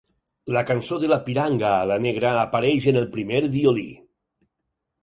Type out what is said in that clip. La cançó de la piranga alanegra apareix en el primer violí.